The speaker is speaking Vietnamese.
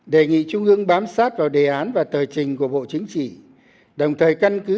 đề nghị trung ương bám sát vào đề án và tờ trình của bộ chính trị đồng thời căn cứ